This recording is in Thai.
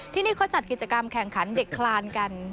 ที่นี่เขาจัดกิจกรรมแข่งขันเด็กคลานกัน